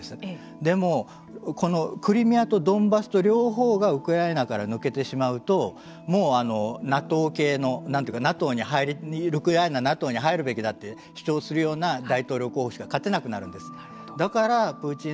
でも、クリミアとドンバスとウクライナから抜けてしまうともうＮＡＴＯ系のウクライナはＮＡＴＯに入るべきだと主張するような大統領候補しか勝てなくなるんです。